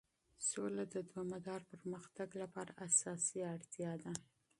سوله د دوامدار پرمختګ لپاره اساسي اړتیا ده.